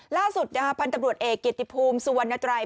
ล่าสุดพันธุ์ตำรวจเอกเกียรติภูมิสุวรรณไตร